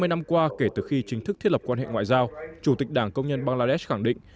hai mươi năm qua kể từ khi chính thức thiết lập quan hệ ngoại giao chủ tịch đảng công nhân bangladesh khẳng định